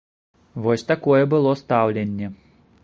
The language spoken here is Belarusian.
Вось такое было стаўленне.